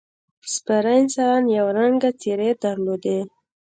سپاره انسانان یو رنګه ځېرې درلودې.